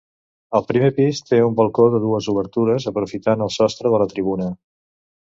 El primer pis té un balcó de dues obertures aprofitant el sostre de la tribuna.